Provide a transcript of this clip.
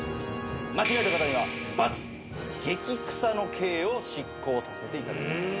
間違えた方には罰激クサの刑を執行させていただきます。